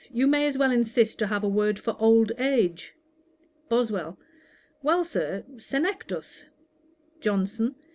You may as well insist to have a word for old age.' BOSWELL. 'Well, Sir, Senectus.' JOHNSON.